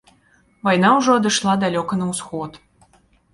Вайна ўжо адышла далёка на ўсход.